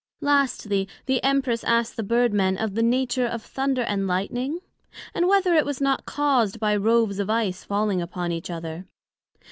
Lastly, the Empress asked the Bird men of the nature of Thunder and Lightning? and whether it was not caused by roves of Ice falling upon each other?